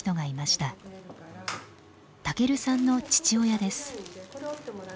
たけるさんの父親です。